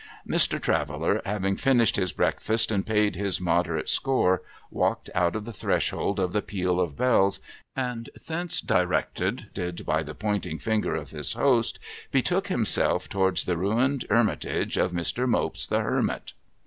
Mr. Traveller having finished his breakfast and paid his moderate score, walked out to the threshold of the Peal of Bells, and, thence directed by the pointing finger of his host, betook himself towards the ruined hermitage of Mr. Mopes the hermit.